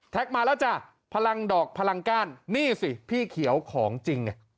มาแล้วจ้ะพลังดอกพลังก้านนี่สิพี่เขียวของจริงไง